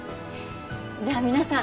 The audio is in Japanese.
じゃあ皆さん。